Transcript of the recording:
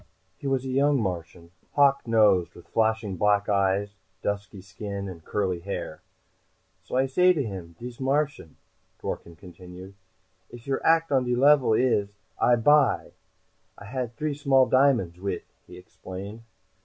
He was a young Martian, hawk nosed, with flashing black eyes, dusky skin, and curly hair. "So I say to him, dis Martian," Dworken continued, "'If your act on the level is, I buy.' I had three small diamonds with," he explained.